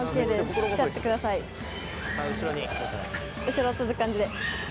後ろ続く感じで。